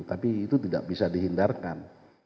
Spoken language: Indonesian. tapi itu tidak bisa dihindarkan